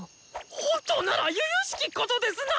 本当ならゆゆしきことですな！